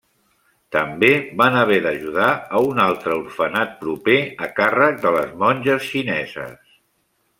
També van haver d'ajudar a un altre orfenat proper a càrrec de les monges xineses.